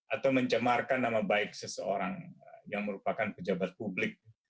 atau mencemarkan nama baik seseorang yang merupakan pejabat publik